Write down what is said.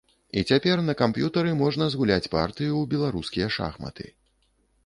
І цяпер на камп'ютары можна згуляць партыю ў беларускія шахматы.